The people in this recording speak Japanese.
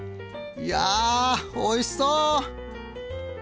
いやおいしそう！